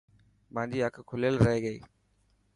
مانجي اک لکيل رهي گئي.